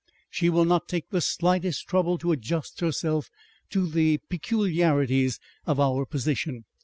"She will not take the slightest trouble to adjust herself to the peculiarities of our position....